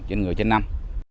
trên người trên năm